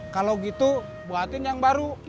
kalau gitu buatin yang baru